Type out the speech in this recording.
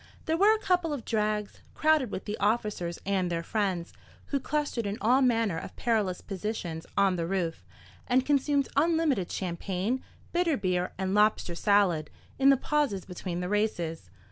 There were a couple of drags, crowded with the officers and their friends, who clustered in all manner of perilous positions on the roof, and consumed unlimited champagne, bitter beer, and lobster salad, in the pauses between the races.